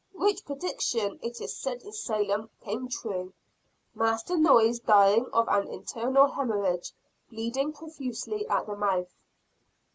Which prediction it is said in Salem, came true Master Noyes dying of an internal hemorrhage bleeding profusely at the mouth.